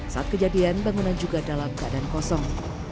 saat kejadian bangunan juga dalam keadaan kosong